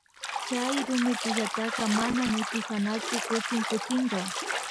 Chay rumipillataka nama nitkanachu kutin kutinka